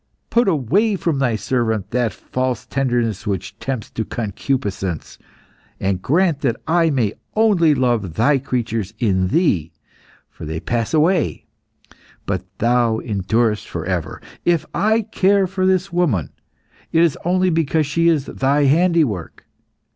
Put away from Thy servant that false tenderness which tempts to concupiscence, and grant that I may only love Thy creatures in Thee, for they pass away, but Thou endurest for ever. If I care for this woman, it is only because she is Thy handiwork.